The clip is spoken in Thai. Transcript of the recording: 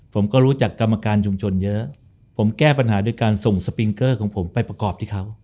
ผมก็รู้จักกรรมการชุมชนเยอะผมแก้ปัญหาด้วยการส่งสปิงเกอร์ของผมไปประกอบที่เขา